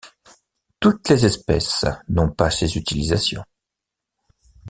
Toutes les espèces n'ont pas ces utilisations.